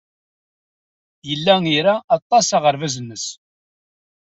Yella ira aṭas aɣerbaz-nnes.